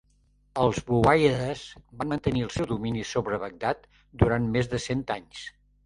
Els Buwàyhides van mantenir el seu domini sobre Bagdad durant més de cent anys.